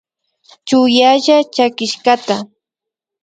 Chuyalla chakishkata